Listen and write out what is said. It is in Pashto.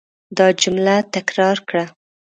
دا جمله تکرار کړه.